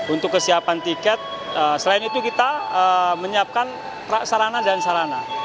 untuk kesiapan tiket selain itu kita menyiapkan sarana dan sarana